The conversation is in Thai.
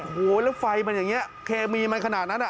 โอ้โหแล้วไฟมันอย่างนี้เคมีมันขนาดนั้น